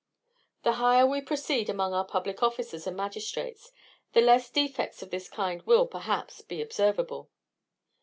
The higher we proceed among our public officers and magistrates, the less defects of this kind will, perhaps, be observable.